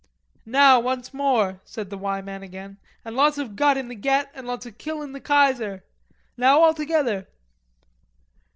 "Now, once more," said the "Y" man again, "and lots of guts in the get and lots of kill in the Kaiser. Now all together....